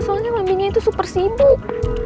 soalnya kambingnya itu super sibuk